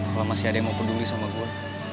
kalau masih ada yang mau peduli sama gue